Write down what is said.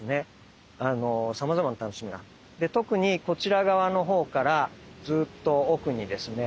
特にこちら側のほうからずっと奥にですね